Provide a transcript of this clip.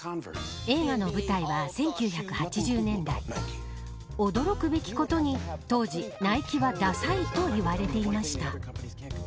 映画の舞台は、１９８０年代驚くべきことに当時、ナイキはダサいと言われていました。